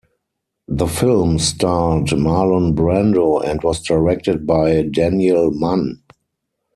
The film starred Marlon Brando and was directed by Daniel Mann.